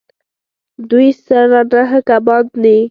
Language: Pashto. دوی سره نهه کبان دي